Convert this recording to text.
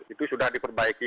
itu sudah diperbaiki